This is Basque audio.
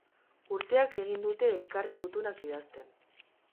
Urteak egin dute elkarri gutunak idazten.